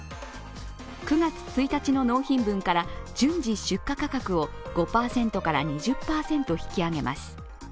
９月１日の納品分から順次、出荷価格を５％から２０％引き上げます。